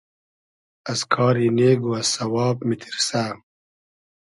از کاری نېگ و از سئواب میتیرسۂ